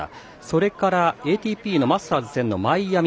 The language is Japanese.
それから、ＡＴＰマスターズ１０００のマイアミ。